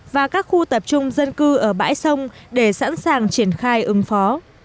và các khu tập trung dân cư ở bãi sông để sẵn sàng triển khai ứng phó